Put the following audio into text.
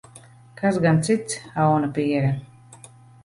Kas gan cits, aunapiere?